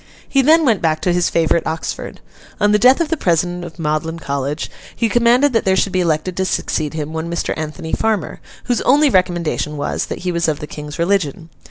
He then went back to his favourite Oxford. On the death of the President of Magdalen College, he commanded that there should be elected to succeed him, one Mr. Anthony Farmer, whose only recommendation was, that he was of the King's religion.